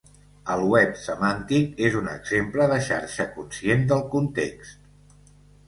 El Web semàntic és un exemple de xarxa conscient del context.